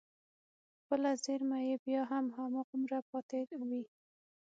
خپله زېرمه يې بيا هم هماغومره پاتې وي.